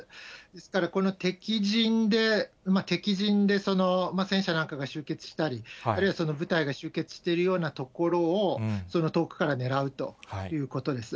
ですから、敵陣で戦車なんかが集結したり、あるいは部隊が集結しているような所を、遠くから狙うということです。